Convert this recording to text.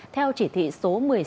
theo chỉ thị số một mươi